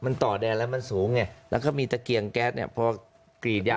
มันต่อแดนแล้วมันสูงไงแล้วก็มีตะเกียงแก๊สเนี่ยพอกรีดยาว